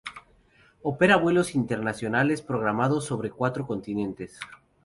Opera vuelos internacionales programados sobre cuatro continentes.